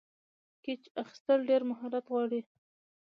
کېچ اخیستل ډېر مهارت غواړي.